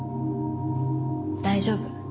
大丈夫。